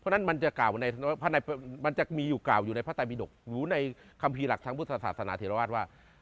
เพราะนั้นมันจะมีอยู่กล่าวอยู่ในพระตามีดกอยู่ในคัมภีรหลักภังพุทธศาสนาเถียวราชว่า